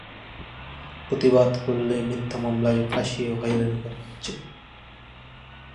প্রতিবাদ করলে মিথ্যা মামলায় ফাঁসিয়ে হয়রানি করা হচ্ছে।